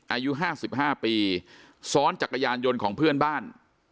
อายุ๕๕ปีซ้อนจักรยานยนต์ของเพื่อนบ้าน